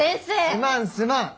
すまんすまん。